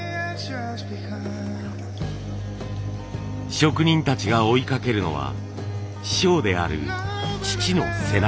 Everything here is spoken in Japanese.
職人たちが追いかけるのは師匠である父の背中。